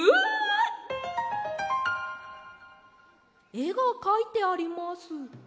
えがかいてあります。